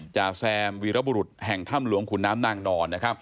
จาแซมวีรบุรุษแห่งถ้ำหลวงขุนน้ำนางนอน